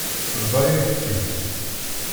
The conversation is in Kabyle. Tebḍa-yak-tt-id.